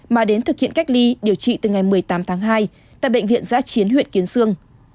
mà đến thực hiện cách ly điều trị từ ngày một mươi tám tháng hai tại bệnh viện giã chiến huyện kiến sương